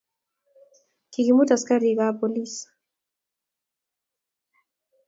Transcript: kikimut askarikab polis